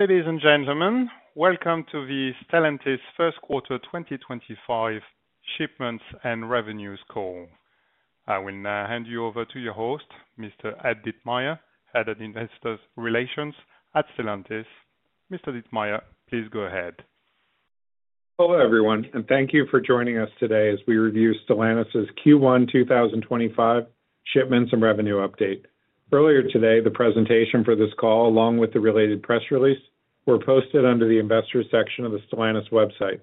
Ladies and gentlemen, welcome to the Stellantis First Quarter 2025 shipments and revenues Call. I will now hand you over to your host, Mr. Ed Ditmire, Head of Investor Relations at Stellantis. Mr. Ditmire, please go ahead. Hello everyone, and thank you for joining us today as we review Stellantis's Q1 2025 shipments and revenue update. Earlier today, the presentation for this call, along with the related press release, were posted under the Investors section of the Stellantis website.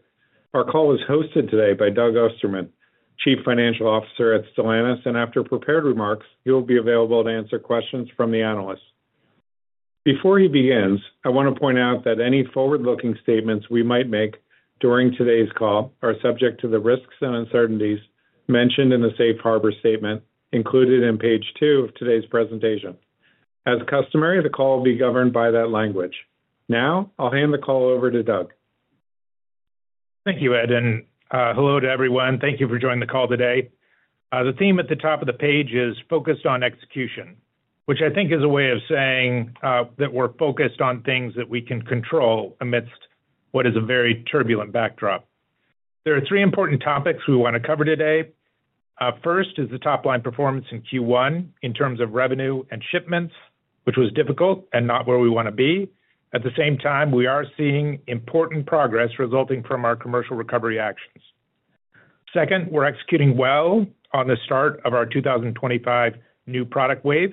Our call is hosted today by Doug Ostermann, Chief Financial Officer at Stellantis, and after prepared remarks, he will be available to answer questions from the analysts. Before he begins, I want to point out that any forward-looking statements we might make during today's call are subject to the risks and uncertainties mentioned in the Safe Harbor Statement included in page two of today's presentation. As customary, the call will be governed by that language. Now, I'll hand the call over to Doug. Thank you, Ed, and hello to everyone. Thank you for joining the call today. The theme at the top of the page is focused on execution, which I think is a way of saying that we're focused on things that we can control amidst what is a very turbulent backdrop. There are three important topics we want to cover today. First is the top-line performance in Q1 in terms of revenue and shipments, which was difficult and not where we want to be. At the same time, we are seeing important progress resulting from our commercial recovery actions. Second, we're executing well on the start of our 2025 new product wave,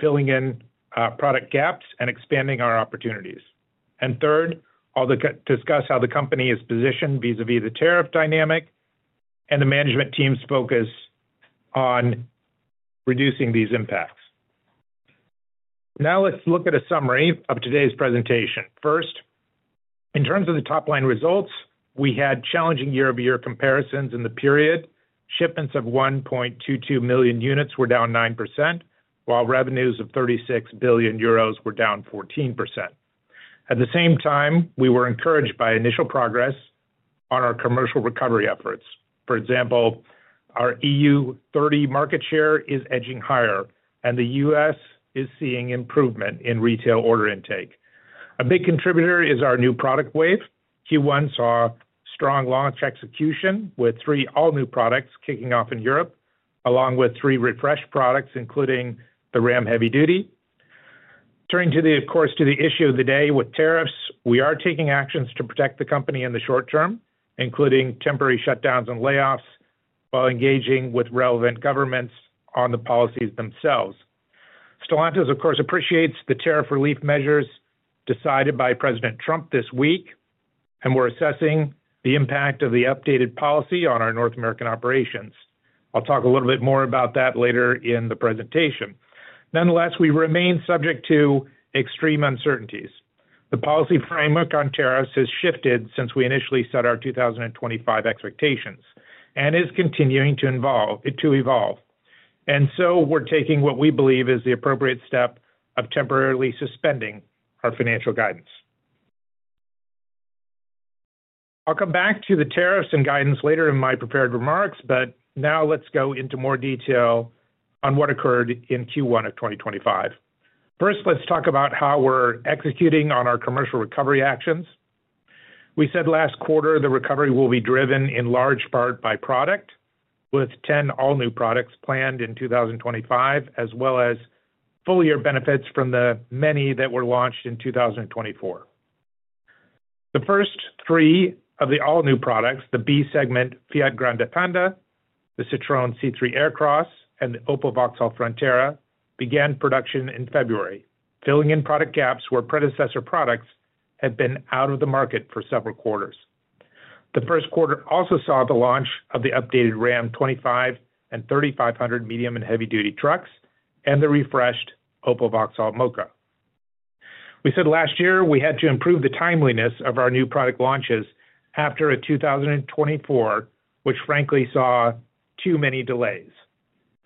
filling in product gaps and expanding our opportunities. Third, I'll discuss how the company is positioned vis-à-vis the tariff dynamic and the management team's focus on reducing these impacts. Now let's look at a summary of today's presentation. First, in terms of the top-line results, we had challenging year-over-year comparisons in the period. Shipments of 1.22 million units were down 9%, while revenues of 36 billion euros were down 14%. At the same time, we were encouraged by initial progress on our commercial recovery efforts. For example, our EU30 market share is edging higher, and the U.S. is seeing improvement in retail order intake. A big contributor is our new product wave. Q1 saw strong launch execution with three all-new products kicking off in Europe, along with three refreshed products, including the Ram Heavy Duty. Turning to the, of course, to the issue of the day with tariffs, we are taking actions to protect the company in the short term, including temporary shutdowns and layoffs, while engaging with relevant governments on the policies themselves. Stellantis, of course, appreciates the tariff relief measures decided by President Trump this week, and we're assessing the impact of the updated policy on our North American operations. I'll talk a little bit more about that later in the presentation. Nonetheless, we remain subject to extreme uncertainties. The policy framework on tariffs has shifted since we initially set our 2025 expectations and is continuing to evolve. We are taking what we believe is the appropriate step of temporarily suspending our financial guidance. I'll come back to the tariffs and guidance later in my prepared remarks, but now let's go into more detail on what occurred in Q1 of 2025. First, let's talk about how we're executing on our commercial recovery actions. We said last quarter the recovery will be driven in large part by product, with 10 all-new products planned in 2025, as well as full-year benefits from the many that were launched in 2024. The first three of the all-new products, the B segment Fiat Grande Panda, the Citroën C3 Aircross, and the Opel/Vauxhall Frontera, began production in February, filling in product gaps where predecessor products had been out of the market for several quarters. The first quarter also saw the launch of the updated Ram 2500 and 3500 medium and heavy-duty trucks and the refreshed Opel/Vauxhall Mokka. We said last year we had to improve the timeliness of our new product launches after a 2024 which frankly saw too many delays.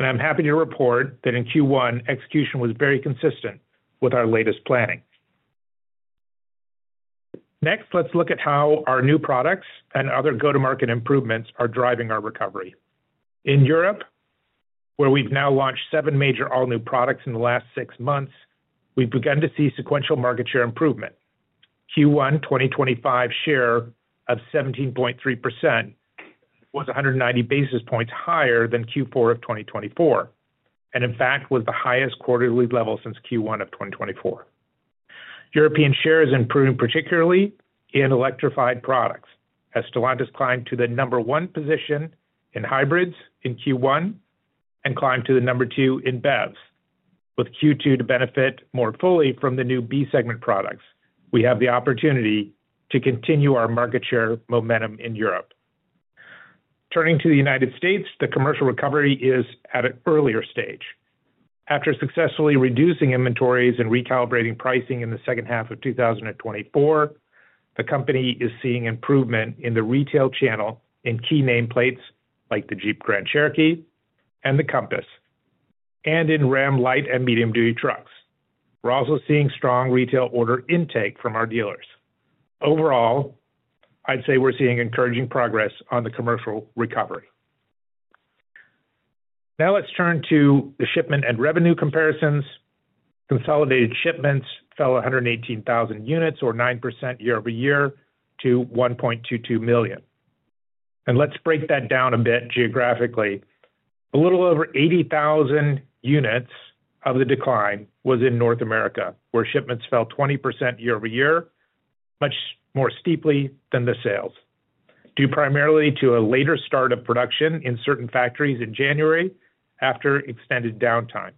I'm happy to report that in Q1 execution was very consistent with our latest planning. Next, let's look at how our new products and other go-to-market improvements are driving our recovery. In Europe, where we've now launched seven major all-new products in the last six months, we've begun to see sequential market share improvement. Q1 2025 share of 17.3% was 190 basis points higher than Q4 of 2024, and in fact was the highest quarterly level since Q1 of 2024. European share is improving particularly in electrified products, as Stellantis climbed to the number one position in hybrids in Q1 and climbed to the number two in BEVs, with Q2 to benefit more fully from the new B segment products. We have the opportunity to continue our market share momentum in Europe. Turning to the United States, the commercial recovery is at an earlier stage. After successfully reducing inventories and recalibrating pricing in the second half of 2024, the company is seeing improvement in the retail channel in key nameplates like the Jeep Grand Cherokee and the Compass, and in Ram light and medium-duty trucks. We're also seeing strong retail order intake from our dealers. Overall, I'd say we're seeing encouraging progress on the commercial recovery. Now let's turn to the shipment and revenue comparisons. Consolidated shipments fell 118,000 units, or 9% year-over-year, to 1.22 million. Let's break that down a bit geographically. A little over 80,000 units of the decline was in North America, where shipments fell 20% year-over-year, much more steeply than the sales, due primarily to a later start of production in certain factories in January after extended downtime,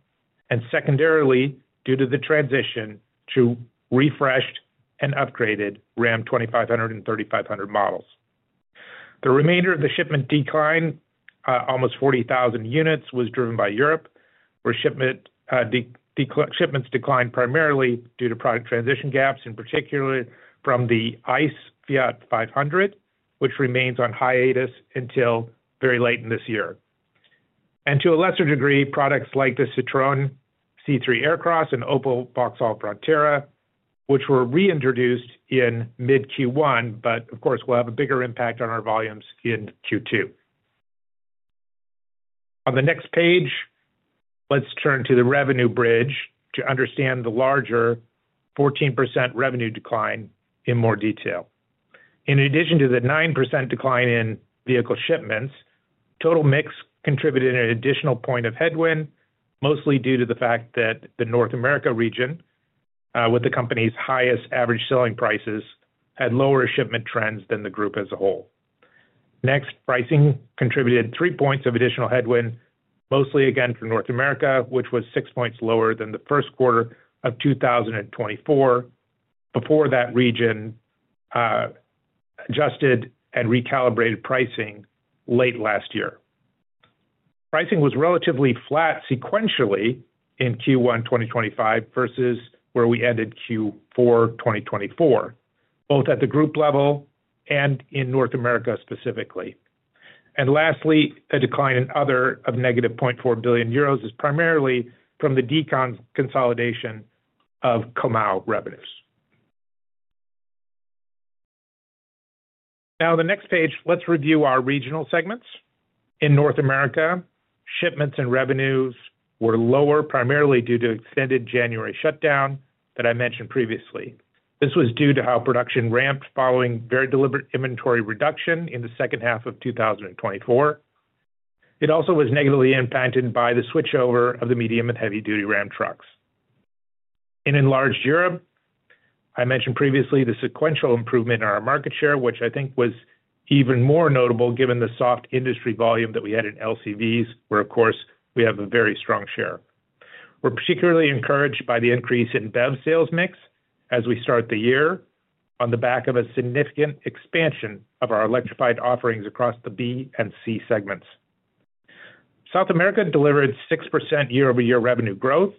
and secondarily due to the transition to refreshed and upgraded Ram 2500 and 3500 models. The remainder of the shipment decline, almost 40,000 units, was driven by Europe, where shipments declined primarily due to product transition gaps, in particular from the ICE Fiat 500, which remains on hiatus until very late in this year. To a lesser degree, products like the Citroën C3 Aircross and Opel/Vauxhall Frontera, which were reintroduced in mid-Q1, will have a bigger impact on our volumes in Q2. On the next page, let's turn to the revenue bridge to understand the larger 14% revenue decline in more detail. In addition to the 9% decline in vehicle shipments, total mix contributed an additional point of headwind, mostly due to the fact that the North America region, with the company's highest average selling prices, had lower shipment trends than the group as a whole. Next, pricing contributed three points of additional headwind, mostly again for North America, which was six points lower than the first quarter of 2024, before that region adjusted and recalibrated pricing late last year. Pricing was relatively flat sequentially in Q1 2025 versus where we ended Q4 2024, both at the group level and in North America specifically. Lastly, a decline in other of -0.4 billion euros is primarily from the deconsolidation of Comau revenues. Now, on the next page, let's review our regional segments. In North America, shipments and revenues were lower primarily due to extended January shutdown that I mentioned previously. This was due to how production ramped following very deliberate inventory reduction in the second half of 2024. It also was negatively impacted by the switchover of the medium and heavy-duty Ram trucks. In Enlarged Europe, I mentioned previously the sequential improvement in our market share, which I think was even more notable given the soft industry volume that we had in LCVs, where, of course, we have a very strong share. We are particularly encouraged by the increase in BEV sales mix as we start the year on the back of a significant expansion of our electrified offerings across the B and C segments. South America delivered 6% year-over-year revenue growth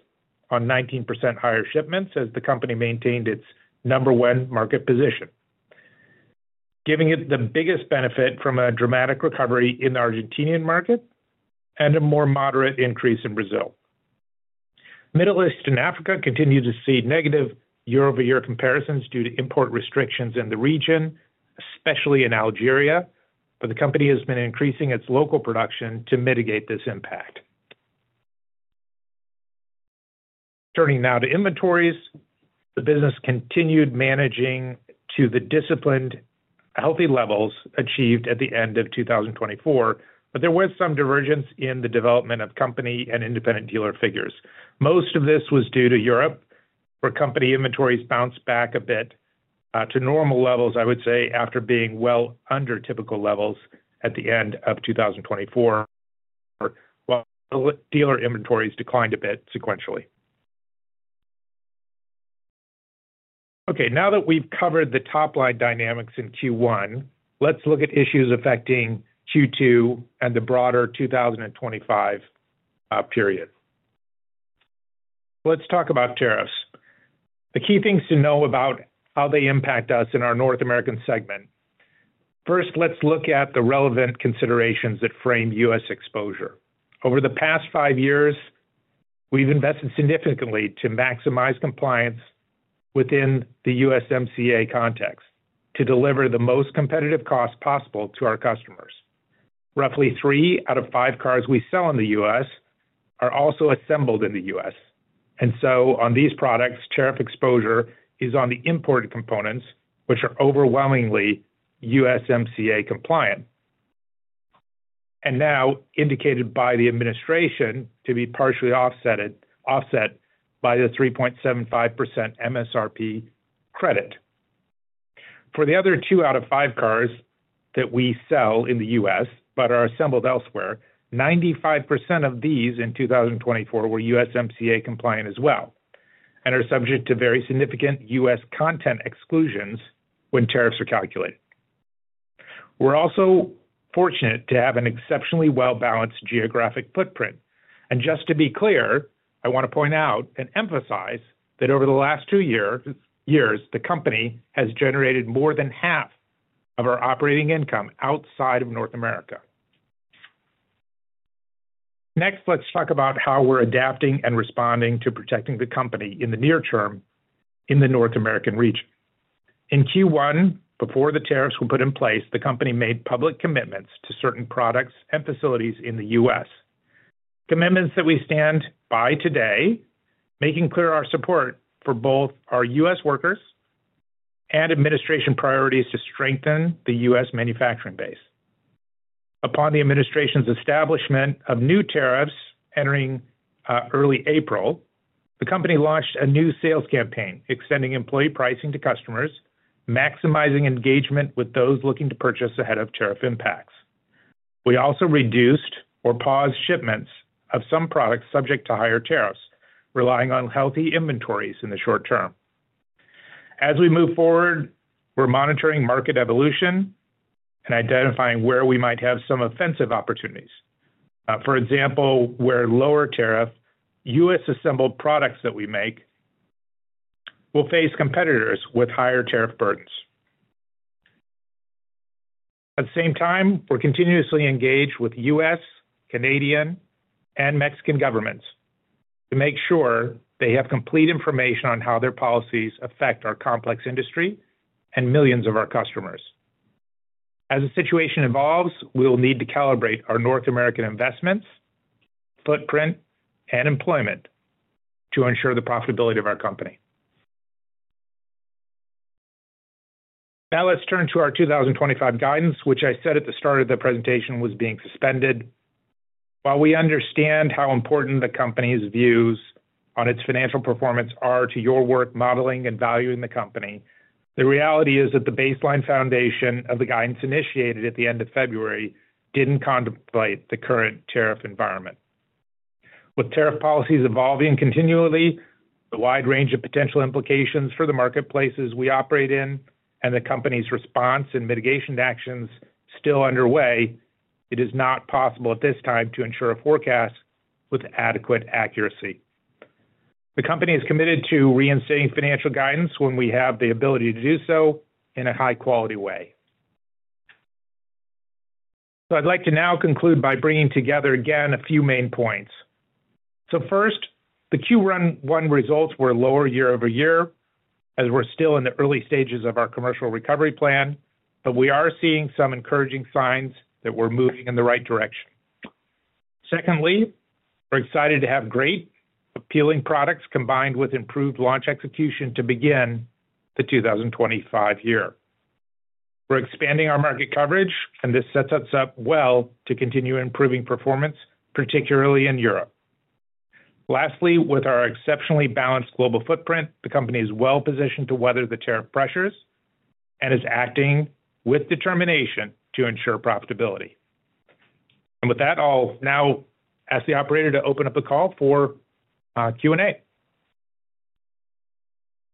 on 19% higher shipments as the company maintained its number one market position, giving it the biggest benefit from a dramatic recovery in the Argentinian market and a more moderate increase in Brazil. Middle East and Africa continue to see negative year-over-year comparisons due to import restrictions in the region, especially in Algeria, but the company has been increasing its local production to mitigate this impact. Turning now to inventories, the business continued managing to the disciplined healthy levels achieved at the end of 2024, but there was some divergence in the development of company and independent dealer figures. Most of this was due to Europe, where company inventories bounced back a bit to normal levels, I would say, after being well under typical levels at the end of 2024, while dealer inventories declined a bit sequentially. Okay, now that we've covered the top-line dynamics in Q1, let's look at issues affecting Q2 and the broader 2025 period. Let's talk about tariffs. The key things to know about how they impact us in our North American segment. First, let's look at the relevant considerations that frame U.S. exposure. Over the past five years, we've invested significantly to maximize compliance within the USMCA context to deliver the most competitive cost possible to our customers. Roughly three out of five cars we sell in the U.S. are also assembled in the U.S. On these products, tariff exposure is on the imported components, which are overwhelmingly USMCA-compliant, and now indicated by the administration to be partially offset by the 3.75% MSRP credit. For the other two out of five cars that we sell in the U.S. but are assembled elsewhere, 95% of these in 2024 were USMCA-compliant as well and are subject to very significant U.S. content exclusions when tariffs are calculated. We are also fortunate to have an exceptionally well-balanced geographic footprint. Just to be clear, I want to point out and emphasize that over the last two years, the company has generated more than half of our operating income outside of North America. Next, let's talk about how we're adapting and responding to protecting the company in the near term in the North American region. In Q1, before the tariffs were put in place, the company made public commitments to certain products and facilities in the U.S., commitments that we stand by today, making clear our support for both our U.S. workers and administration priorities to strengthen the U.S. manufacturing base. Upon the administration's establishment of new tariffs entering early April, the company launched a new sales campaign, extending employee pricing to customers, maximizing engagement with those looking to purchase ahead of tariff impacts. We also reduced or paused shipments of some products subject to higher tariffs, relying on healthy inventories in the short term. As we move forward, we're monitoring market evolution and identifying where we might have some offensive opportunities. For example, where lower tariff U.S. assembled products that we make will face competitors with higher tariff burdens. At the same time, we're continuously engaged with U.S., Canadian, and Mexican governments to make sure they have complete information on how their policies affect our complex industry and millions of our customers. As the situation evolves, we will need to calibrate our North American investments, footprint, and employment to ensure the profitability of our company. Now let's turn to our 2025 guidance, which I said at the start of the presentation was being suspended. While we understand how important the company's views on its financial performance are to your work modeling and valuing the company, the reality is that the baseline foundation of the guidance initiated at the end of February did not contemplate the current tariff environment. With tariff policies evolving continually, the wide range of potential implications for the marketplaces we operate in, and the company's response and mitigation actions still underway, it is not possible at this time to ensure a forecast with adequate accuracy. The company is committed to reinstating financial guidance when we have the ability to do so in a high-quality way. I would like to now conclude by bringing together again a few main points. First, the Q1 results were lower year-over-year as we are still in the early stages of our commercial recovery plan, but we are seeing some encouraging signs that we are moving in the right direction. Secondly, we are excited to have great appealing products combined with improved launch execution to begin the 2025 year. We are expanding our market coverage, and this sets us up well to continue improving performance, particularly in Europe. Lastly, with our exceptionally balanced global footprint, the company is well-positioned to weather the tariff pressures and is acting with determination to ensure profitability. With that, I'll now ask the operator to open up a call for Q&A.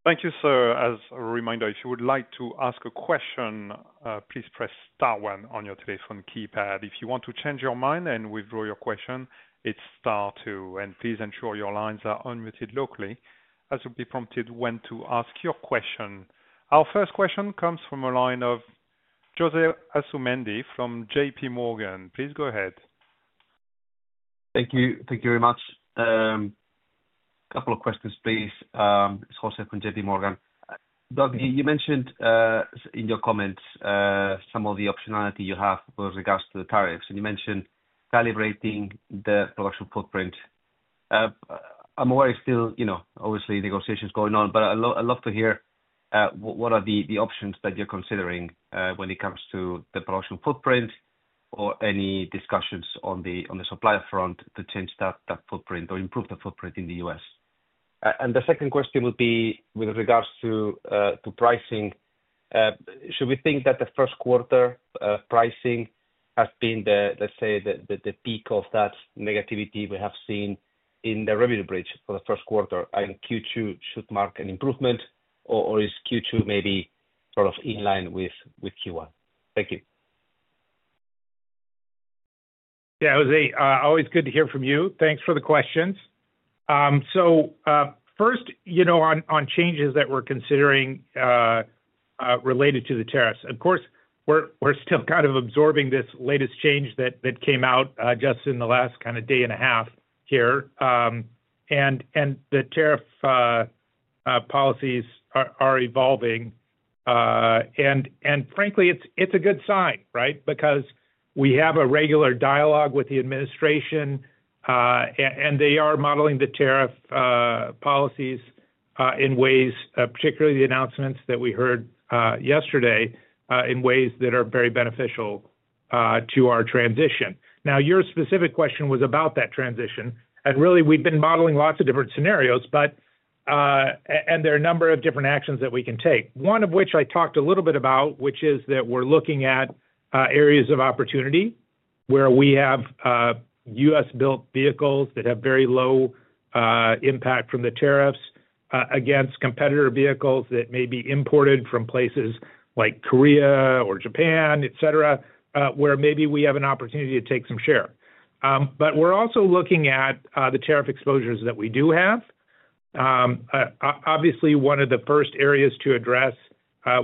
Thank you, sir. As a reminder, if you would like to ask a question, please press star one on your telephone keypad. If you want to change your mind and withdraw your question, it's star two. Please ensure your lines are unmuted locally as you'll be prompted when to ask your question. Our first question comes from a line of José Asumendi from JPMorgan. Please go ahead. Thank you. Thank you very much. A couple of questions, please. It's José from JPMorgan. Doug, you mentioned in your comments some of the optionality you have with regards to the tariffs, and you mentioned calibrating the production footprint. I'm aware it's still, obviously, negotiations going on, but I'd love to hear what are the options that you're considering when it comes to the production footprint or any discussions on the supply front to change that footprint or improve the footprint in the U.S. The second question would be with regards to pricing. Should we think that the first quarter pricing has been, let's say, the peak of that negativity we have seen in the revenue bridge for the first quarter, and Q2 should mark an improvement, or is Q2 maybe sort of in line with Q1? Thank you. Yeah, José. Always good to hear from you. Thanks for the questions. First, on changes that we're considering related to the tariffs. Of course, we're still kind of absorbing this latest change that came out just in the last kind of day and a half here. The tariff policies are evolving. Frankly, it's a good sign, right, because we have a regular dialogue with the administration, and they are modelling the tariff policies in ways, particularly the announcements that we heard yesterday, in ways that are very beneficial to our transition. Your specific question was about that transition. Really, we've been modelling lots of different scenarios, and there are a number of different actions that we can take. One of which I talked a little bit about, which is that we're looking at areas of opportunity where we have U.S.-built vehicles that have very low impact from the tariffs against competitor vehicles that may be imported from places like Korea or Japan, etc., where maybe we have an opportunity to take some share. We're also looking at the tariff exposures that we do have. Obviously, one of the first areas to address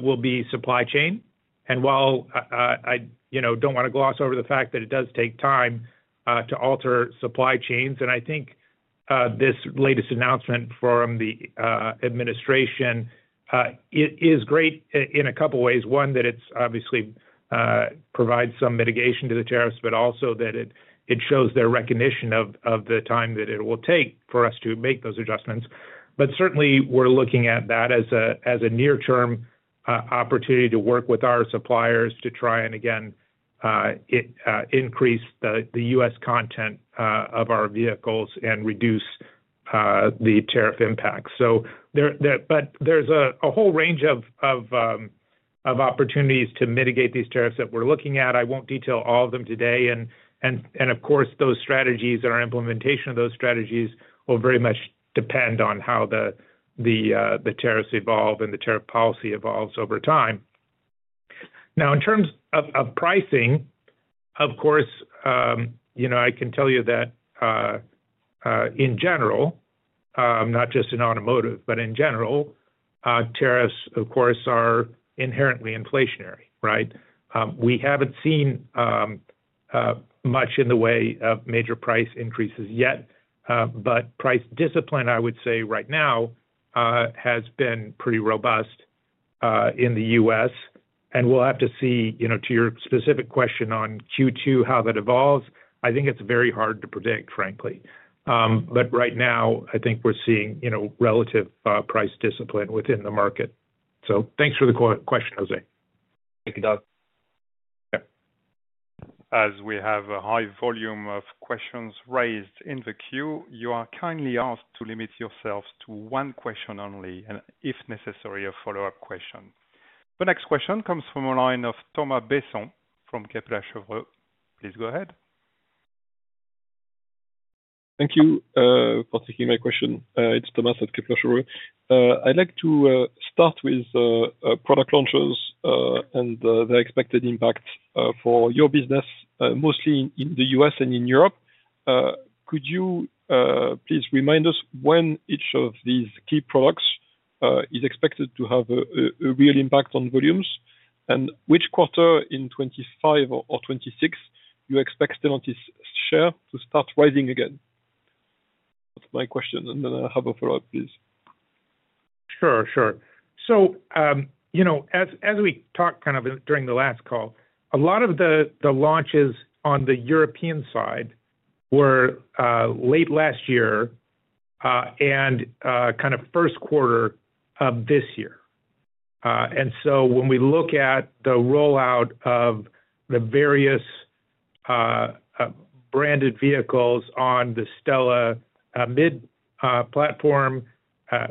will be supply chain. While I do not want to gloss over the fact that it does take time to alter supply chains, I think this latest announcement from the administration is great in a couple of ways. One, that it obviously provides some mitigation to the tariffs, but also that it shows their recognition of the time that it will take for us to make those adjustments. Certainly, we are looking at that as a near-term opportunity to work with our suppliers to try and, again, increase the U.S. content of our vehicles and reduce the tariff impact. There is a whole range of opportunities to mitigate these tariffs that we are looking at. I will not detail all of them today. Of course, those strategies and our implementation of those strategies will very much depend on how the tariffs evolve and the tariff policy evolves over time. In terms of pricing, I can tell you that in general, not just in automotive, but in general, tariffs are inherently inflationary, right? We have not seen much in the way of major price increases yet, but price discipline, I would say, right now has been pretty robust in the U.S. We will have to see, to your specific question on Q2, how that evolves. I think it is very hard to predict, frankly. Right now, I think we are seeing relative price discipline within the market. Thanks for the question, José. Thank you, Doug. As we have a high volume of questions raised in the queue, you are kindly asked to limit yourselves to one question only, and if necessary, a follow-up question. The next question comes from a line of Thomas Besson from Kepler Cheuvreux. Please go ahead. Thank you for taking my question. It's Thomas at Kepler Cheuvreux. I'd like to start with product launches and the expected impact for your business, mostly in the U.S. and in Europe. Could you please remind us when each of these key products is expected to have a real impact on volumes, and which quarter in 2025 or 2026 you expect Stellantis' share to start rising again? That's my question. And then I'll have a follow-up, please. Sure, sure. As we talked kind of during the last call, a lot of the launches on the European side were late last year and kind of first quarter of this year. When we look at the rollout of the various branded vehicles on the STLA Mid platform,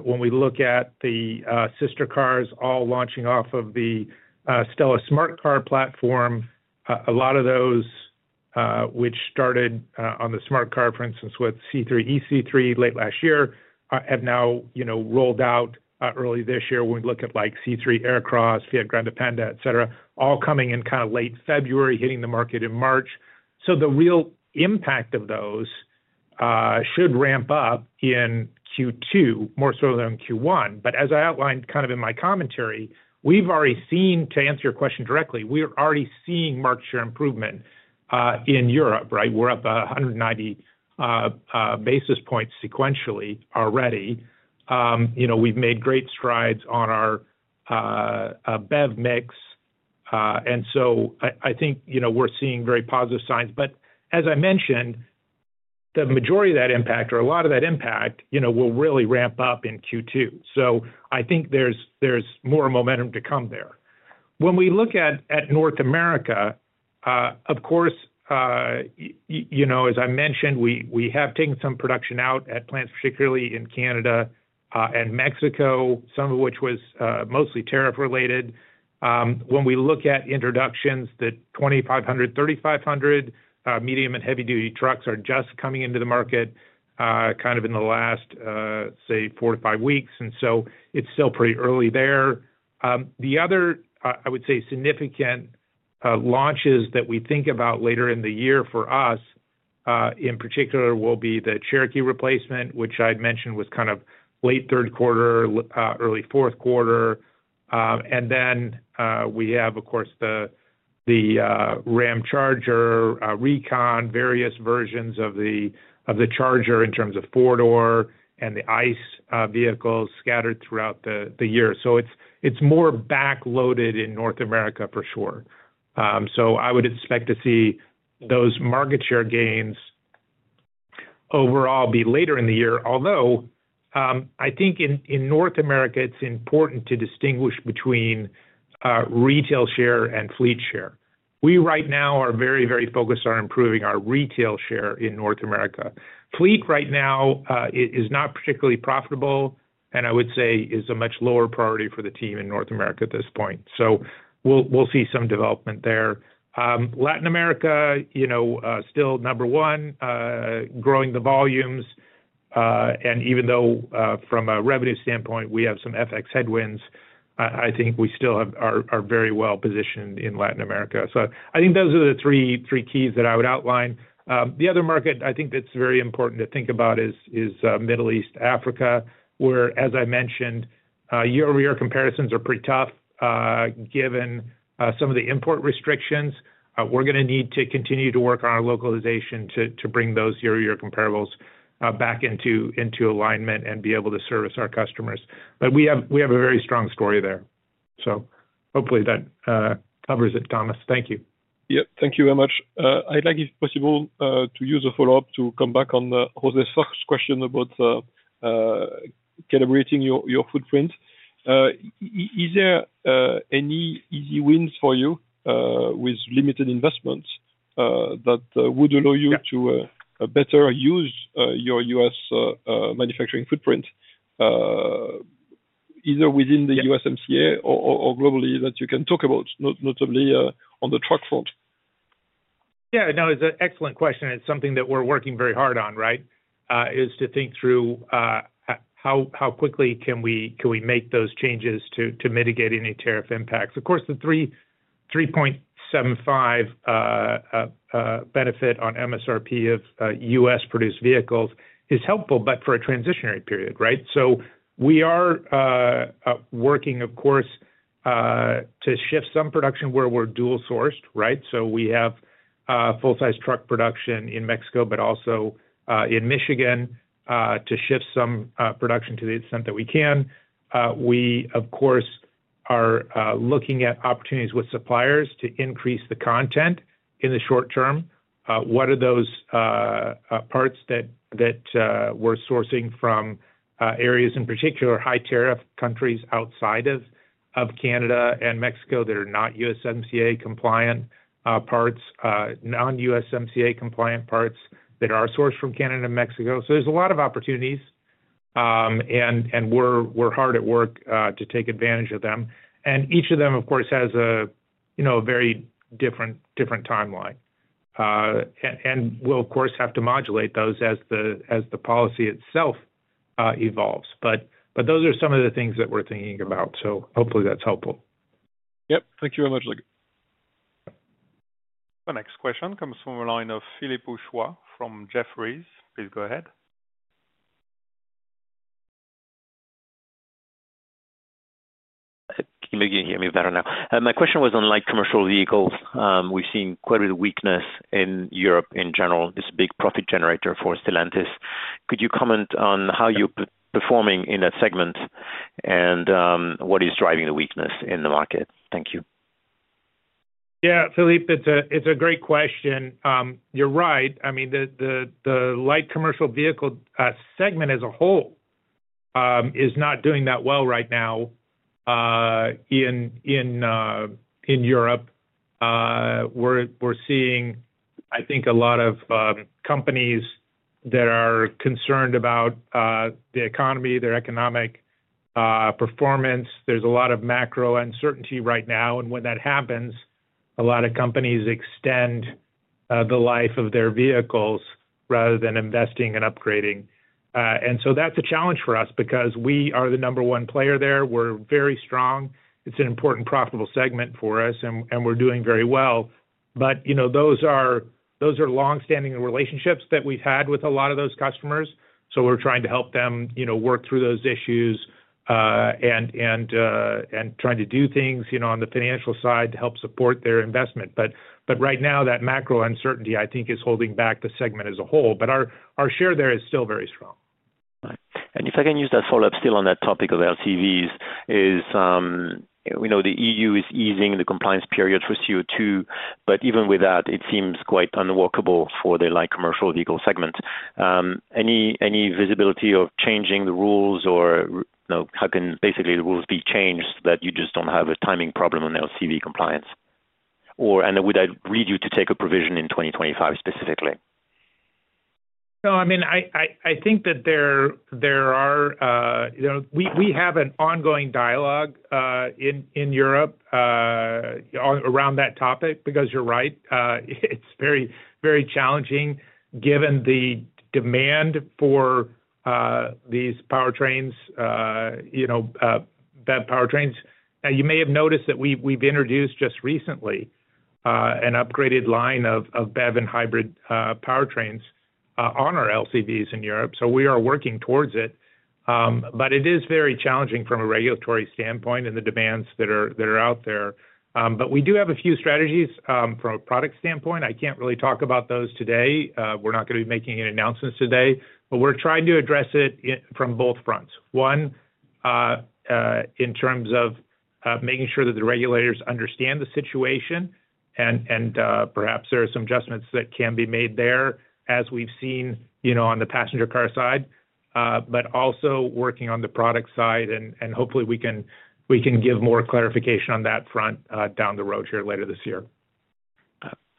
when we look at the sister cars all launching off of the STLA Smart Car platform, a lot of those which started on the Smart Car, for instance, with C3, e-C3 late last year, have now rolled out early this year. When we look at C3, Aircross, Fiat Grande Panda, etc., all coming in kind of late February, hitting the market in March. The real impact of those should ramp up in Q2, more so than Q1. As I outlined kind of in my commentary, we've already seen, to answer your question directly, we're already seeing market share improvement in Europe, right? We're up 190 basis points sequentially already. We've made great strides on our BEV mix. I think we're seeing very positive signs. As I mentioned, the majority of that impact, or a lot of that impact, will really ramp up in Q2. I think there's more momentum to come there. When we look at North America, of course, as I mentioned, we have taken some production out at plants, particularly in Canada and Mexico, some of which was mostly tariff-related. When we look at introductions, the 2500, 3500 medium and heavy-duty trucks are just coming into the market kind of in the last, say, four to five weeks. It's still pretty early there. The other, I would say, significant launches that we think about later in the year for us, in particular, will be the Cherokee replacement, which I'd mentioned was kind of late third quarter, early fourth quarter. We have, of course, the Ramcharger, Recon, various versions of the Charger in terms of four-door and the ICE vehicles scattered throughout the year. It is more backloaded in North America, for sure. I would expect to see those market share gains overall be later in the year. Although I think in North America, it is important to distinguish between retail share and fleet share. We right now are very, very focused on improving our retail share in North America. Fleet right now is not particularly profitable, and I would say is a much lower priority for the team in North America at this point. We will see some development there. Latin America, still number one, growing the volumes. Even though from a revenue standpoint, we have some FX headwinds, I think we still are very well positioned in Latin America. I think those are the three keys that I would outline. The other market I think that's very important to think about is Middle East, Africa, where, as I mentioned, year-over-year comparisons are pretty tough given some of the import restrictions. We're going to need to continue to work on our localization to bring those year-over-year comparables back into alignment and be able to service our customers. We have a very strong story there. Hopefully that covers it, Thomas. Thank you. Yep. Thank you very much. I'd like, if possible, to use a follow-up to come back on José's first question about calibrating your footprint. Is there any easy wins for you with limited investments that would allow you to better use your U.S. manufacturing footprint, either within the USMCA or globally, that you can talk about, notably on the truck front? Yeah. No, it's an excellent question. It's something that we're working very hard on, right, is to think through how quickly can we make those changes to mitigate any tariff impacts. Of course, the 3.75 benefit on MSRP of U.S.-produced vehicles is helpful, but for a transitionary period, right? We are working, of course, to shift some production where we're dual-sourced, right? We have full-size truck production in Mexico, but also in Michigan to shift some production to the extent that we can. We, of course, are looking at opportunities with suppliers to increase the content in the short term. What are those parts that we're sourcing from areas, in particular, high-tariff countries outside of Canada and Mexico that are not USMCA-compliant parts, non-USMCA-compliant parts that are sourced from Canada and Mexico? There are a lot of opportunities, and we're hard at work to take advantage of them. Each of them, of course, has a very different timeline. We will, of course, have to modulate those as the policy itself evolves. Those are some of the things that we're thinking about. Hopefully that's helpful. Yep. Thank you very much, Doug. The next question comes from a line of Philippe Houchois from Jefferies. Please go ahead. Can you hear me better now? My question was on light commercial vehicles. We've seen quite a bit of weakness in Europe in general. It's a big profit generator for Stellantis. Could you comment on how you're performing in that segment and what is driving the weakness in the market? Thank you. Yeah, Philippe, it's a great question. You're right. I mean, the light commercial vehicle segment as a whole is not doing that well right now in Europe. We're seeing, I think, a lot of companies that are concerned about the economy, their economic performance. There's a lot of macro uncertainty right now. When that happens, a lot of companies extend the life of their vehicles rather than investing and upgrading. That is a challenge for us because we are the number one player there. We're very strong. It's an important, profitable segment for us, and we're doing very well. Those are long-standing relationships that we've had with a lot of those customers. We're trying to help them work through those issues and trying to do things on the financial side to help support their investment. Right now, that macro uncertainty, I think, is holding back the segment as a whole. Our share there is still very strong. If I can use that follow-up still on that topic of LCVs, the EU is easing the compliance period for CO2. Even with that, it seems quite unworkable for the light commercial vehicle segment. Any visibility of changing the rules or how can basically the rules be changed that you just do not have a timing problem on LCV compliance? Would I read you to take a provision in 2025 specifically? No, I mean, I think that we have an ongoing dialogue in Europe around that topic because you're right. It's very challenging given the demand for these powertrains, BEV powertrains. You may have noticed that we've introduced just recently an upgraded line of BEV and hybrid powertrains on our LCVs in Europe. We are working towards it. It is very challenging from a regulatory standpoint and the demands that are out there. We do have a few strategies from a product standpoint. I can't really talk about those today. We're not going to be making any announcements today. We're trying to address it from both fronts. One, in terms of making sure that the regulators understand the situation. Perhaps there are some adjustments that can be made there as we've seen on the passenger car side, also working on the product side. Hopefully, we can give more clarification on that front down the road here later this year.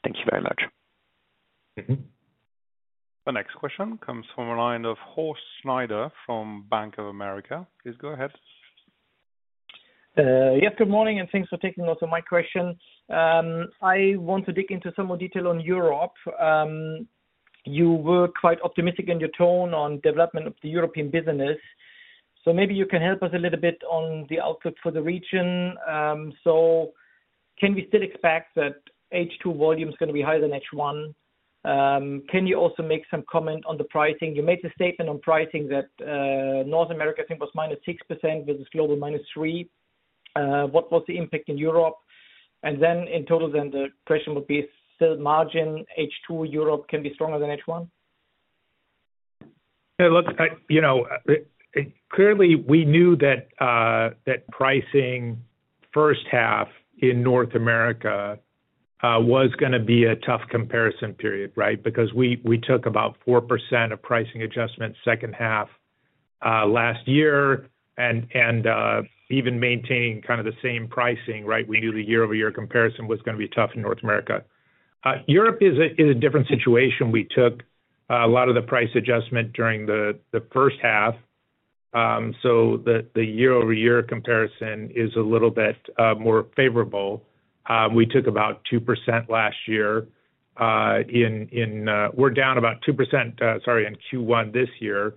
Thank you very much. The next question comes from a line of Horst Schneider from Bank of America. Please go ahead. Yep. Good morning, and thanks for taking also my question. I want to dig into some more detail on Europe. You were quite optimistic in your tone on development of the European business. Maybe you can help us a little bit on the outlook for the region. Can we still expect that H2 volume is going to be higher than H1? Can you also make some comment on the pricing? You made a statement on pricing that North America, I think, was minus 6% versus global -3%. What was the impact in Europe? In total, the question would be still margin H2 Europe can be stronger than H1? Clearly, we knew that pricing first half in North America was going to be a tough comparison period, right? Because we took about 4% of pricing adjustments second half last year and even maintaining kind of the same pricing, right? We knew the year-over-year comparison was going to be tough in North America. Europe is a different situation. We took a lot of the price adjustment during the first half. The year-over-year comparison is a little bit more favorable. We took about 2% last year. We're down about 2%, sorry, in Q1 this year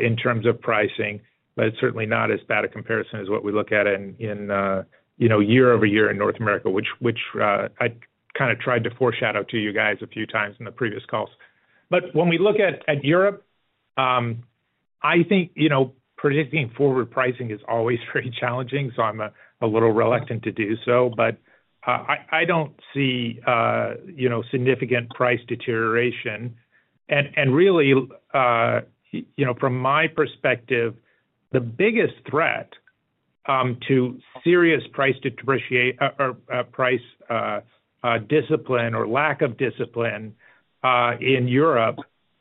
in terms of pricing, but it's certainly not as bad a comparison as what we look at in year-over-year in North America, which I kind of tried to foreshadow to you guys a few times in the previous calls. When we look at Europe, I think predicting forward pricing is always very challenging. I'm a little reluctant to do so. I don't see significant price deterioration. Really, from my perspective, the biggest threat to serious price discipline or lack of discipline in Europe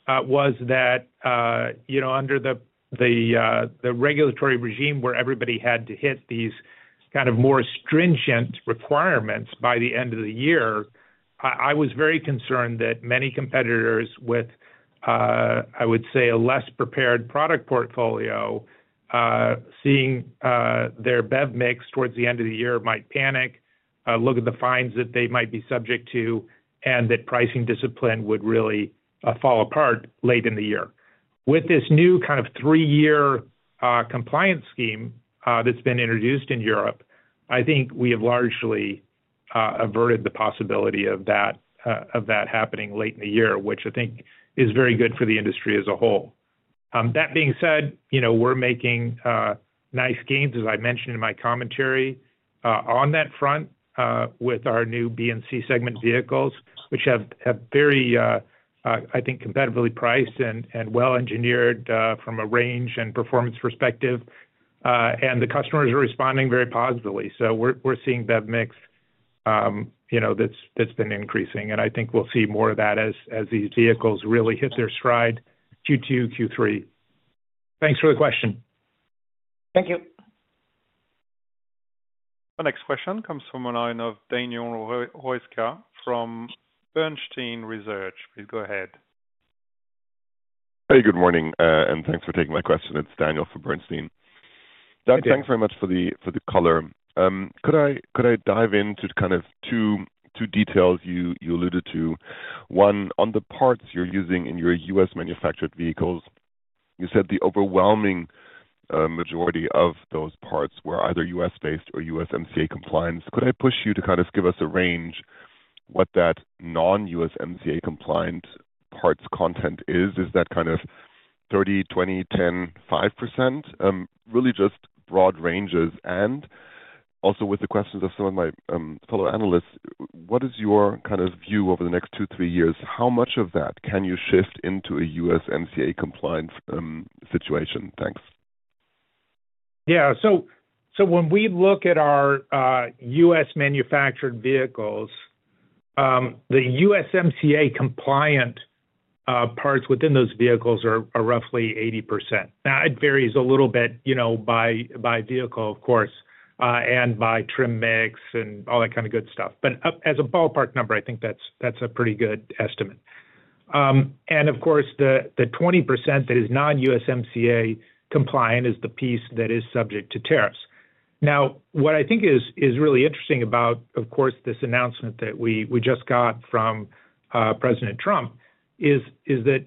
was that under the regulatory regime where everybody had to hit these kind of more stringent requirements by the end of the year, I was very concerned that many competitors with, I would say, a less prepared product portfolio, seeing their BEV mix towards the end of the year, might panic, look at the fines that they might be subject to, and that pricing discipline would really fall apart late in the year. With this new kind of three-year compliance scheme that's been introduced in Europe, I think we have largely averted the possibility of that happening late in the year, which I think is very good for the industry as a whole. That being said, we're making nice gains, as I mentioned in my commentary, on that front with our new B and C segment vehicles, which have very, I think, competitively priced and well-engineered from a range and performance perspective. The customers are responding very positively. We're seeing BEV mix that's been increasing. I think we'll see more of that as these vehicles really hit their stride Q2, Q3. Thanks for the question. Thank you. The next question comes from a line of Daniel Roeska from Bernstein Research. Please go ahead. Hey, good morning. Thanks for taking my question. It's Daniel from Bernstein. Doug, thanks very much for the color. Could I dive into kind of two details you alluded to? One, on the parts you're using in your U.S.-manufactured vehicles, you said the overwhelming majority of those parts were either U.S.-based or USMCA-compliant. Could I push you to kind of give us a range what that non-USMCA-compliant parts content is? Is that kind of 30%, 20%, 10%, 5%? Really just broad ranges. Also with the questions of some of my fellow analysts, what is your kind of view over the next two, three years? How much of that can you shift into a USMCA-compliant situation? Thanks. Yeah. When we look at our U.S.-manufactured vehicles, the USMCA-compliant parts within those vehicles are roughly 80%. It varies a little bit by vehicle, of course, and by trim mix and all that kind of good stuff. As a ballpark number, I think that's a pretty good estimate. Of course, the 20% that is non-USMCA-compliant is the piece that is subject to tariffs. Now, what I think is really interesting about, of course, this announcement that we just got from President Trump is that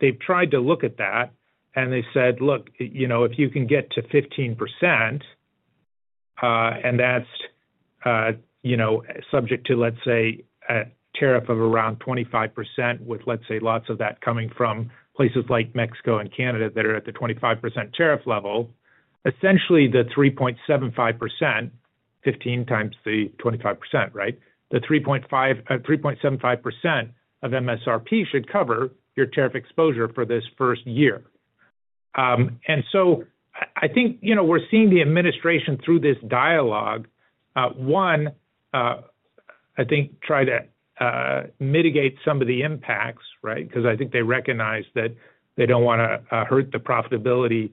they've tried to look at that. They said, "Look, if you can get to 15%, and that's subject to, let's say, a tariff of around 25% with, let's say, lots of that coming from places like Mexico and Canada that are at the 25% tariff level, essentially the 3.75%, 15x the 25%, right? The 3.75% of MSRP should cover your tariff exposure for this first year." I think we're seeing the administration through this dialogue, one, I think, try to mitigate some of the impacts, right? Because I think they recognize that they don't want to hurt the profitability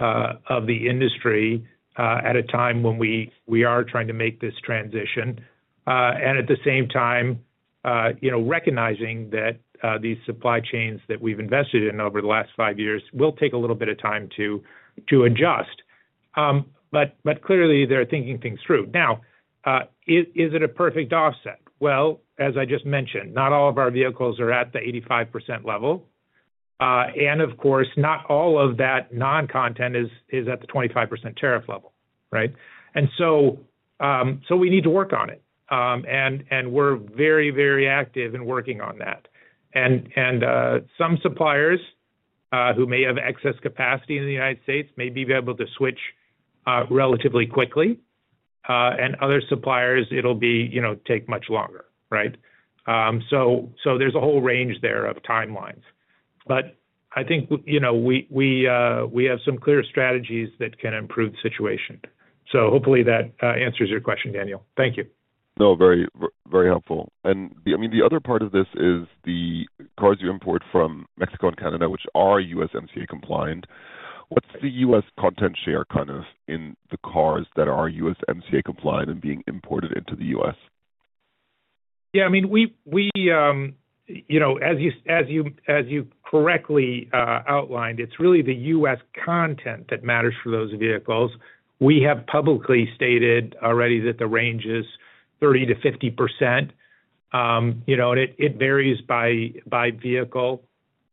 of the industry at a time when we are trying to make this transition. At the same time, recognizing that these supply chains that we've invested in over the last five years will take a little bit of time to adjust. Clearly, they're thinking things through. Is it a perfect offset? As I just mentioned, not all of our vehicles are at the 85% level. Of course, not all of that non-content is at the 25% tariff level, right? We need to work on it. We're very, very active in working on that. Some suppliers who may have excess capacity in the United States may be able to switch relatively quickly. Other suppliers, it'll take much longer, right? There's a whole range there of timelines. I think we have some clear strategies that can improve the situation. Hopefully, that answers your question, Daniel. Thank you. No, very helpful. I mean, the other part of this is the cars you import from Mexico and Canada, which are USMCA-compliant. What's the U.S. content share kind of in the cars that are USMCA-compliant and being imported into the U.S.? Yeah. I mean, as you correctly outlined, it's really the U.S. content that matters for those vehicles. We have publicly stated already that the range is 30%-50%. And it varies by vehicle.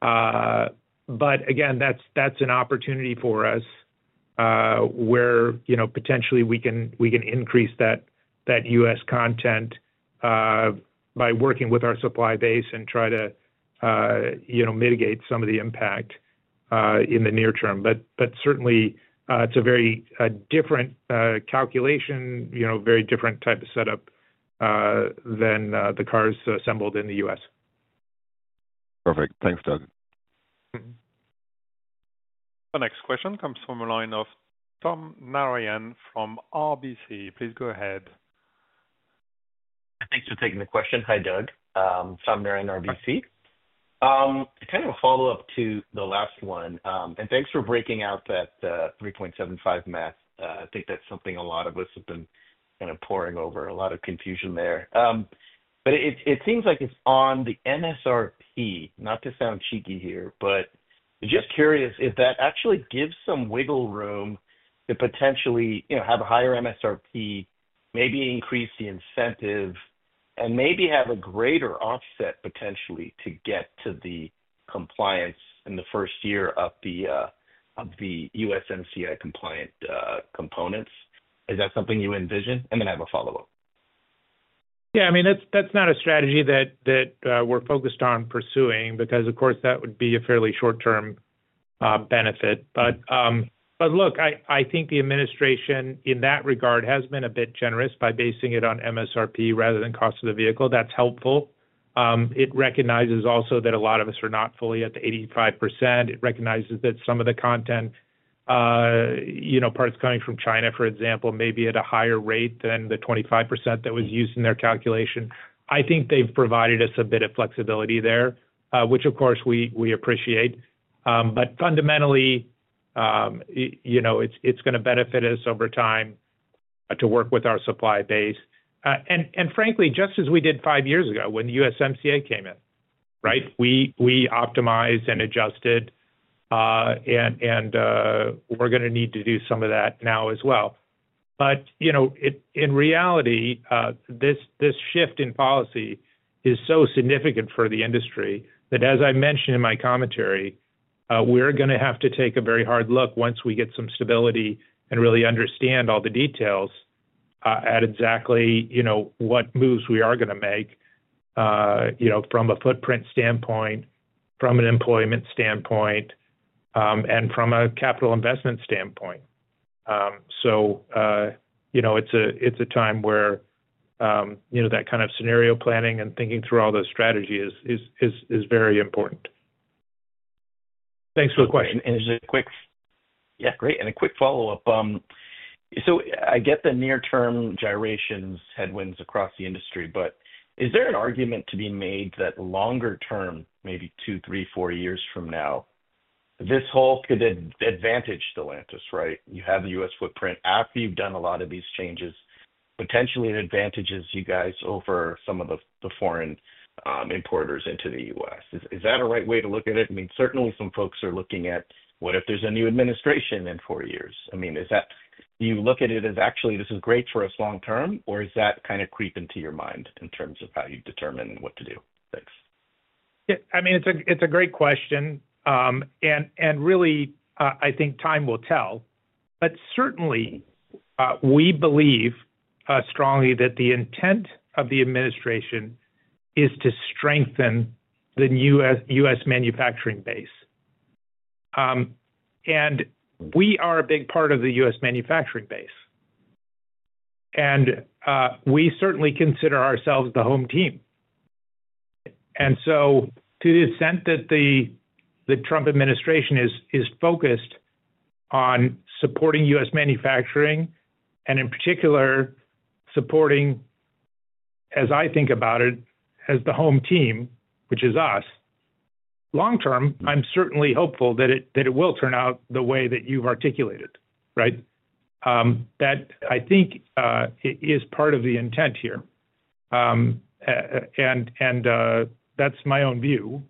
Again, that's an opportunity for us where potentially we can increase that U.S. content by working with our supply base and try to mitigate some of the impact in the near term. Certainly, it's a very different calculation, very different type of setup than the cars assembled in the U.S. Perfect. Thanks, Doug. The next question comes from a line of Tom Narayan from RBC. Please go ahead. Thanks for taking the question. Hi, Doug. Tom Narayan, RBC. Kind of a follow-up to the last one. Thanks for breaking out that 3.75 math. I think that's something a lot of us have been kind of poring over. A lot of confusion there. It seems like it's on the MSRP, not to sound cheeky here, but just curious if that actually gives some wiggle room to potentially have a higher MSRP, maybe increase the incentive, and maybe have a greater offset potentially to get to the compliance in the first year of the USMCA-compliant components. Is that something you envision? I have a follow-up. Yeah. I mean, that's not a strategy that we're focused on pursuing because, of course, that would be a fairly short-term benefit. Look, I think the administration in that regard has been a bit generous by basing it on MSRP rather than cost of the vehicle. That is helpful. It recognizes also that a lot of us are not fully at the 85%. It recognizes that some of the content parts coming from China, for example, may be at a higher rate than the 25% that was used in their calculation. I think they have provided us a bit of flexibility there, which, of course, we appreciate. Fundamentally, it is going to benefit us over time to work with our supply base. Frankly, just as we did five years ago when USMCA came in, right? We optimized and adjusted. We are going to need to do some of that now as well. In reality, this shift in policy is so significant for the industry that, as I mentioned in my commentary, we're going to have to take a very hard look once we get some stability and really understand all the details at exactly what moves we are going to make from a footprint standpoint, from an employment standpoint, and from a capital investment standpoint. It is a time where that kind of scenario planning and thinking through all those strategies is very important. Thanks for the question. Is it a quick? Yeah. Great. A quick follow-up. I get the near-term gyrations headwinds across the industry, but is there an argument to be made that longer term, maybe two, three, four years from now, this whole could advantage Stellantis, right? You have the U.S. footprint. After you've done a lot of these changes, potentially it advantages you guys over some of the foreign importers into the U.S. Is that a right way to look at it? I mean, certainly some folks are looking at, "What if there's a new administration in four years?" I mean, do you look at it as, "Actually, this is great for us long-term," or is that kind of creeping to your mind in terms of how you determine what to do? Thanks. Yeah. I mean, it's a great question. I think time will tell. Certainly, we believe strongly that the intent of the administration is to strengthen the U.S. manufacturing base. We are a big part of the U.S. manufacturing base. We certainly consider ourselves the home team. To the extent that the Trump administration is focused on supporting U.S. manufacturing and in particular supporting, as I think about it, as the home team, which is us, long-term, I'm certainly hopeful that it will turn out the way that you've articulated, right? That I think is part of the intent here. That's my own view.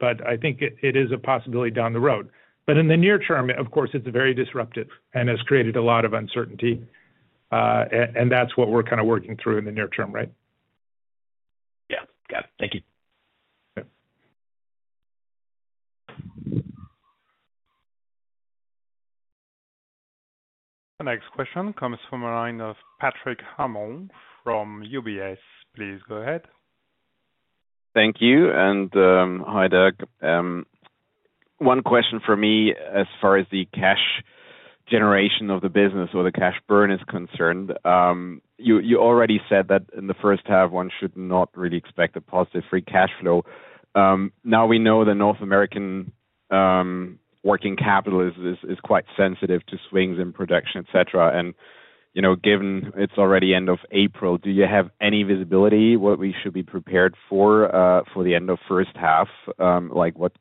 I think it is a possibility down the road. In the near term, of course, it's very disruptive and has created a lot of uncertainty. That's what we're kind of working through in the near term, right? Yeah. Got it. Thank you. The next question comes from a line of Patrick Hummel from UBS. Please go ahead. Thank you. Hi, Doug. One question for me as far as the cash generation of the business or the cash burn is concerned. You already said that in the first half, one should not really expect a positive free cash flow. Now we know the North American working capital is quite sensitive to swings in production, etc. Given it's already end of April, do you have any visibility what we should be prepared for for the end of first half? What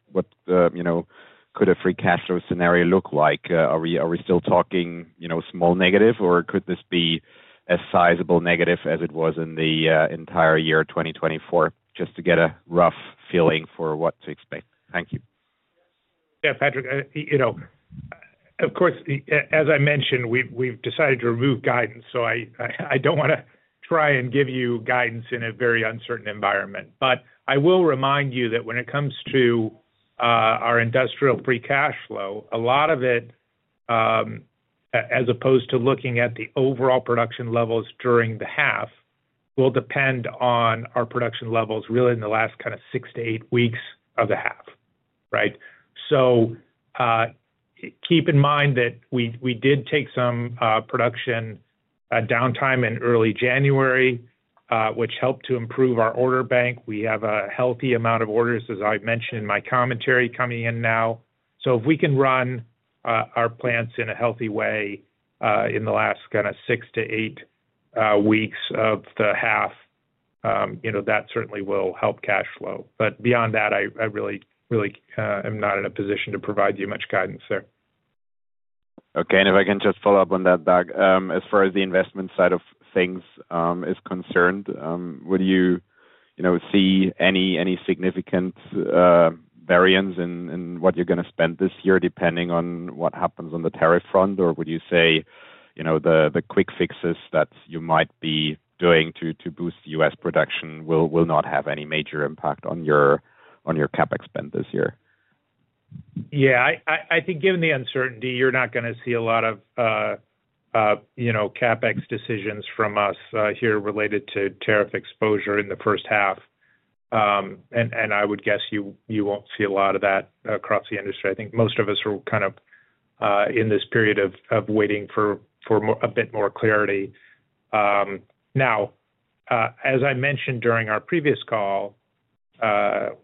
could a free cash flow scenario look like? Are we still talking small negative, or could this be as sizable negative as it was in the entire year 2024? Just to get a rough feeling for what to expect. Thank you. Yeah, Patrick. Of course, as I mentioned, we've decided to remove guidance. I don't want to try and give you guidance in a very uncertain environment. I will remind you that when it comes to our industrial free cash flow, a lot of it, as opposed to looking at the overall production levels during the half, will depend on our production levels really in the last kind of six to eight weeks of the half, right? Keep in mind that we did take some production downtime in early January, which helped to improve our order bank. We have a healthy amount of orders, as I have mentioned in my commentary coming in now. If we can run our plants in a healthy way in the last kind of six to eight weeks of the half, that certainly will help cash flow. Beyond that, I really am not in a position to provide you much guidance there. Okay. If I can just follow up on that, Doug, as far as the investment side of things is concerned, would you see any significant variance in what you're going to spend this year depending on what happens on the tariff front? Would you say the quick fixes that you might be doing to boost U.S. production will not have any major impact on your CapEx spend this year? Yeah. I think given the uncertainty, you're not going to see a lot of CapEx decisions from us here related to tariff exposure in the first half. I would guess you won't see a lot of that across the industry. I think most of us are kind of in this period of waiting for a bit more clarity. Now, as I mentioned during our previous call,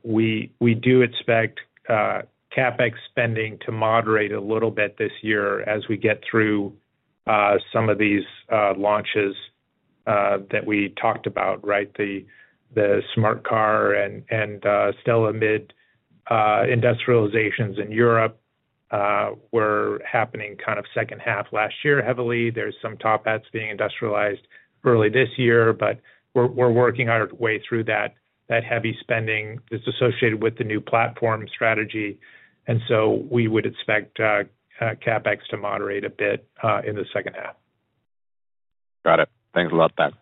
we do expect CapEx spending to moderate a little bit this year as we get through some of these launches that we talked about, right? The Smart Car and STLA Mid industrializations in Europe were happening kind of second half last year heavily. There's some top hats being industrialized early this year, but we're working our way through that heavy spending that's associated with the new platform strategy. We would expect CapEx to moderate a bit in the second half. Got it. Thanks a lot, Doug.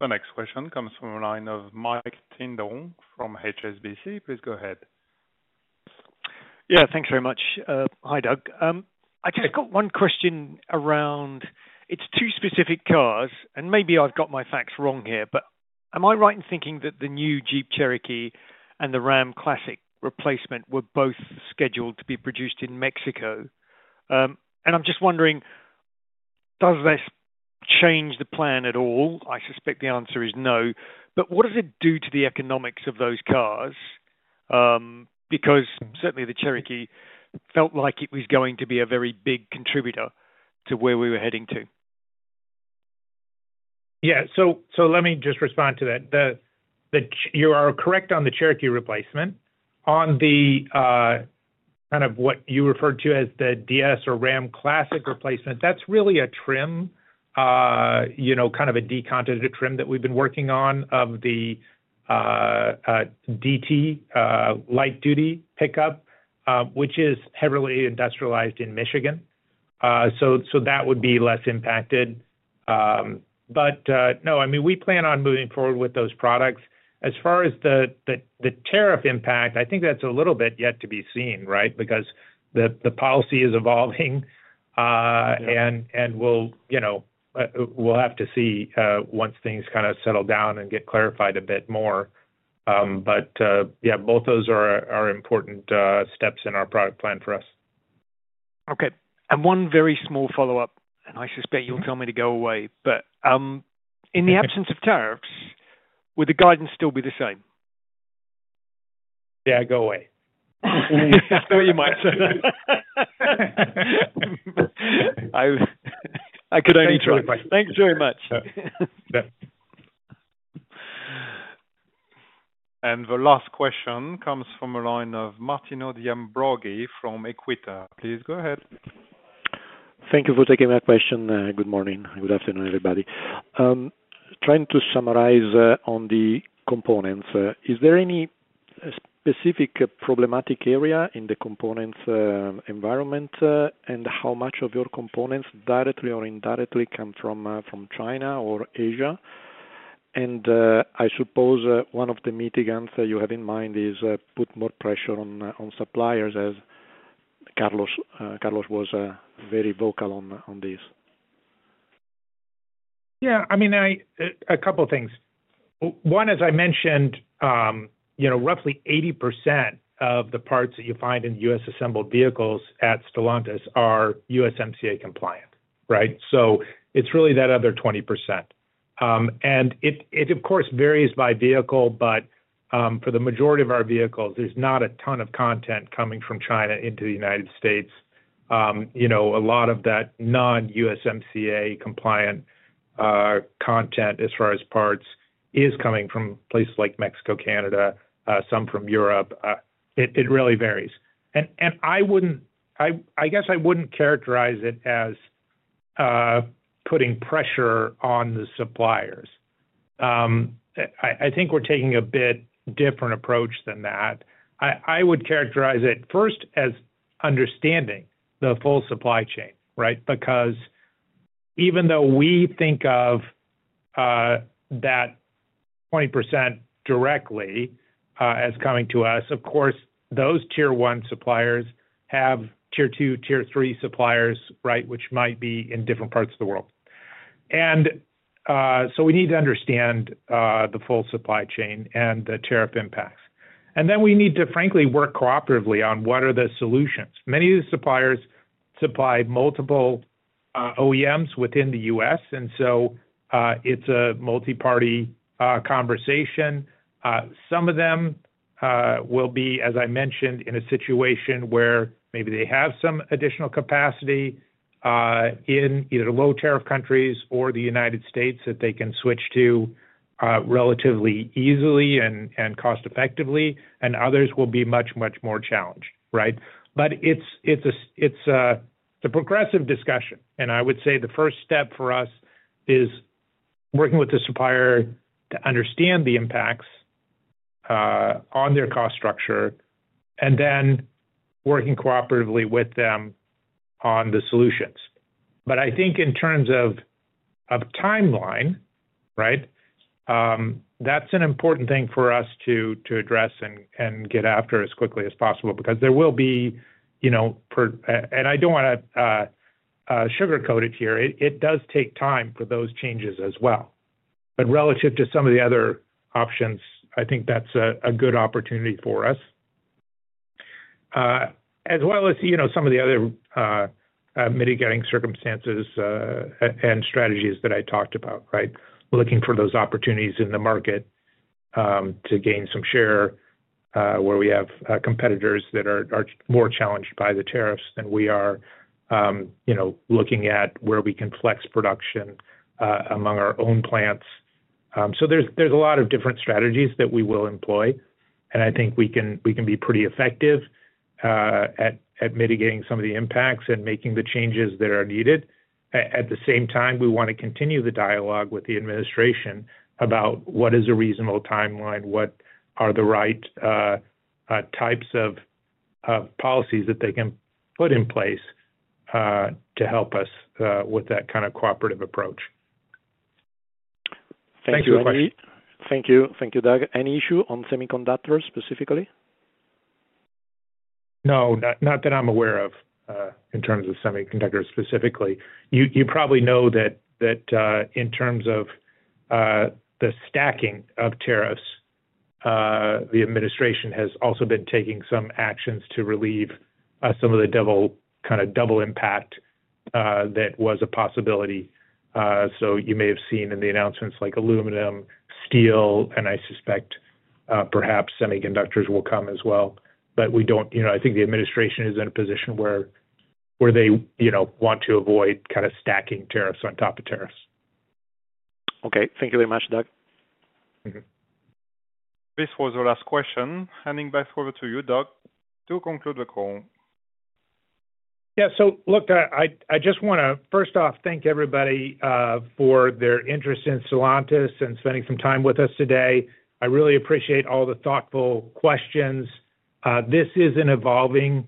The next question comes from a line of Mike Tyndall from HSBC. Please go ahead. Yeah. Thanks very much. Hi, Doug. I just got one question around its two specific cars. Maybe I've got my facts wrong here, but am I right in thinking that the new Jeep Cherokee and the Ram Classic replacement were both scheduled to be produced in Mexico? I'm just wondering, does this change the plan at all? I suspect the answer is no. What does it do to the economics of those cars? Certainly, the Cherokee felt like it was going to be a very big contributor to where we were heading to. Yeah. Let me just respond to that. You are correct on the Cherokee replacement. On what you referred to as the DS or Ram Classic replacement, that's really a trim, kind of a decontented trim that we've been working on of the DT light-duty pickup, which is heavily industrialized in Michigan. That would be less impacted. No, I mean, we plan on moving forward with those products. As far as the tariff impact, I think that's a little bit yet to be seen, right? Because the policy is evolving. We will have to see once things kind of settle down and get clarified a bit more. Yeah, both those are important steps in our product plan for us. Okay. One very small follow-up, and I suspect you'll tell me to go away, but in the absence of tariffs, would the guidance still be the same? Yeah, go away. You might say that. I could only try. Thank you very much. The last question comes from a line of Martino De Ambroggi from Equita. Please go ahead. Thank you for taking my question. Good morning. Good afternoon, everybody. Trying to summarize on the components. Is there any specific problematic area in the components environment and how much of your components directly or indirectly come from China or Asia? I suppose one of the mitigants that you have in mind is put more pressure on suppliers, as Carlos was very vocal on this. Yeah. I mean, a couple of things. One, as I mentioned, roughly 80% of the parts that you find in U.S. assembled vehicles at Stellantis are USMCA-compliant, right? It's really that other 20%. It, of course, varies by vehicle, but for the majority of our vehicles, there's not a ton of content coming from China into the United States. A lot of that non-USMCA-compliant content, as far as parts, is coming from places like Mexico, Canada, some from Europe. It really varies. I guess I wouldn't characterize it as putting pressure on the suppliers. I think we're taking a bit different approach than that. I would characterize it first as understanding the full supply chain, right? Because even though we think of that 20% directly as coming to us, of course, those tier-one suppliers have tier-two, tier-three suppliers, right, which might be in different parts of the world. We need to understand the full supply chain and the tariff impacts. We need to, frankly, work cooperatively on what are the solutions. Many of these suppliers supply multiple OEMs within the U.S. It is a multi-party conversation. Some of them will be, as I mentioned, in a situation where maybe they have some additional capacity in either low-tariff countries or the United States that they can switch to relatively easily and cost-effectively. Others will be much, much more challenged, right? It is a progressive discussion. I would say the first step for us is working with the supplier to understand the impacts on their cost structure and then working cooperatively with them on the solutions. I think in terms of timeline, right, that's an important thing for us to address and get after as quickly as possible because there will be—I don't want to sugarcoat it here—it does take time for those changes as well. Relative to some of the other options, I think that's a good opportunity for us, as well as some of the other mitigating circumstances and strategies that I talked about, right? Looking for those opportunities in the market to gain some share where we have competitors that are more challenged by the tariffs than we are, looking at where we can flex production among our own plants. There are a lot of different strategies that we will employ. I think we can be pretty effective at mitigating some of the impacts and making the changes that are needed. At the same time, we want to continue the dialogue with the administration about what is a reasonable timeline, what are the right types of policies that they can put in place to help us with that kind of cooperative approach. Thank you for the question. Thank you. Thank you, Doug. Any issue on semiconductors specifically? No, not that I'm aware of in terms of semiconductors specifically. You probably know that in terms of the stacking of tariffs, the administration has also been taking some actions to relieve some of the kind of double impact that was a possibility. You may have seen in the announcements like aluminum, steel, and I suspect perhaps semiconductors will come as well. I think the administration is in a position where they want to avoid kind of stacking tariffs on top of tariffs. Okay. Thank you very much, Doug. This was the last question. Handing back over to you, Doug, to conclude the call. Yeah. I just want to, first off, thank everybody for their interest in Stellantis and spending some time with us today. I really appreciate all the thoughtful questions. This is an evolving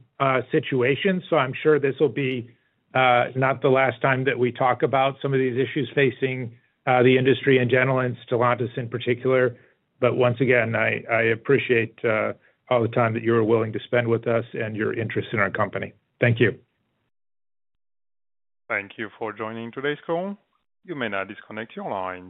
situation, so I'm sure this will not be the last time that we talk about some of these issues facing the industry in general and Stellantis in particular. Once again, I appreciate all the time that you were willing to spend with us and your interest in our company. Thank you. Thank you for joining today's call. You may now disconnect your line.